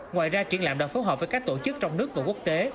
ngoài ra triển lãm đã phối hợp với các tổ chức trong nước và quốc tế